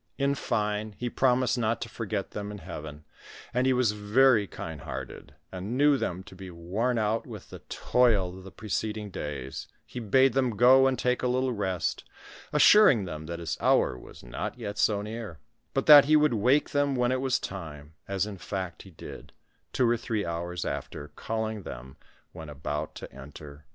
In fine, he promised not to forget them in heaven, and as he was veiy kind hearted, and knew them to be worn out with the toil of the preceding days, he bade them go and take a little rest, assuring them that his hour was not yet so near, but that he would wake them when it was time, as in fact he did, two or three hours after, calling them when about to enter his agony.